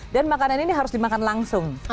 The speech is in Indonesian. dan makanan ini harus dimakan langsung